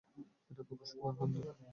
এটা খুবই সুন্দর!